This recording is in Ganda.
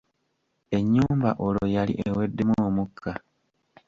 Ennyumba olwo yali eweddemu omukka.